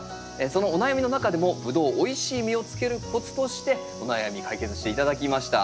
そのお悩みの中でも「ブドウおいしい実をつけるコツ」としてお悩み解決して頂きました。